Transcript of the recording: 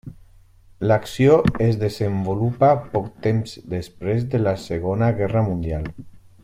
L'acció es desenvolupa poc temps després de la Segona Guerra mundial.